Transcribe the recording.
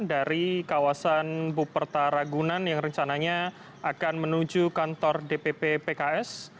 dari kawasan buperta ragunan yang rencananya akan menuju kantor dpp pks